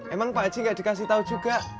emang pak ji gak dikasih tau juga